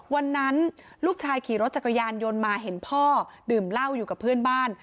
วันนั้นลูกชายขี่รถจักรยานยนต์มาเห็นพ่อดื่มเหล้าอยู่กับเพื่อนบ้าน